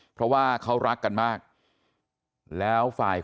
เพราะว่าเขารักกันมากแล้วฝ่าย